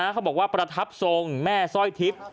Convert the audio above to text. เขาบอกว่าประทับทรงแม่สร้อยทิพย์